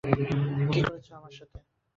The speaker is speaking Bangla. কী করেছ আমার সাথে?